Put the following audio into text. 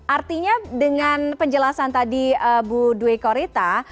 artinya dengan penjelasan tadi bu dwi korita